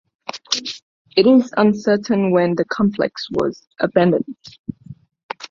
It is uncertain when the complex was abandoned.